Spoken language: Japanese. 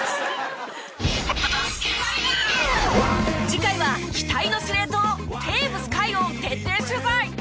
次回は期待の司令塔テーブス海を徹底取材！